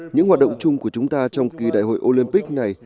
những hoạt động chung của chúng ta trong kỳ đại hội olympic này